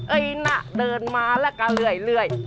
เอ๊ยนะเดินมาแล้วก็เหลื่อย